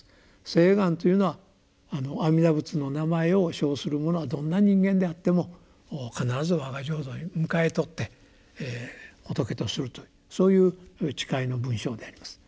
「誓願」というのは阿弥陀仏の名前を称するものはどんな人間であっても必ずわが浄土に迎えとって仏とするというそういう誓いの文章であります。